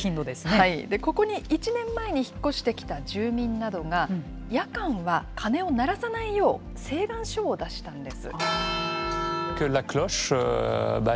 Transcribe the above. ここに１年前に引っ越してきた住民などが、夜間は鐘を鳴らさないよう、請願書を出したんです。